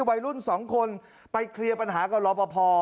วัยรุ่น๒คนไปเคลียร์ปัญหากับรอปภ